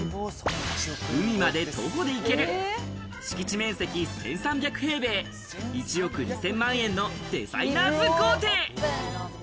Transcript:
海まで徒歩で行ける敷地面積１３００平米、１億２０００万円のデザイナーズ豪邸。